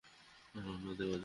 রওনা দেওয়া যাক!